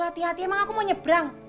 hati hati emang aku mau nyebrang